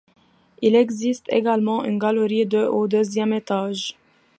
Il existe également une galerie de au deuxième étage.